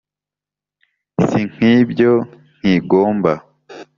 Si nk'ibyo nkigomba